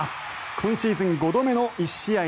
今シーズン５度目の１試合